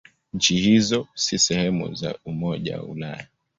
Nchi hizo si sehemu za Umoja wa Ulaya.